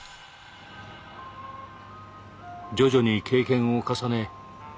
徐々に経験を重ね